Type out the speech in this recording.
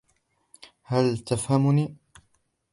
هل تفهمني ؟